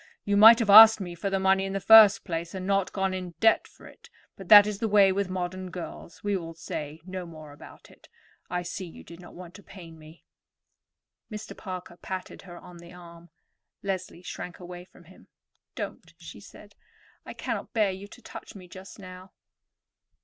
You might have asked me for the money in the first place, and not gone into debt for it; but that is the way with modern girls. We will say no more about it. I see you did not want to pain me." Mr. Parker patted her on the arm. Leslie shrank away from him. "Don't," she said. "I cannot bear you to touch me just now."